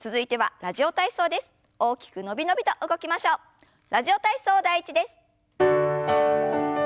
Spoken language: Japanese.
「ラジオ体操第１」です。